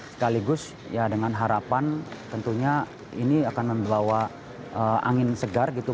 sekaligus ya dengan harapan tentunya ini akan membawa angin segar gitu